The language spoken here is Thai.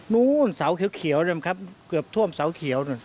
นู้นเสาเขียวนะครับเกือบท่วมเสาเขียว